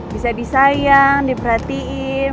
bisa disayang diperhatiin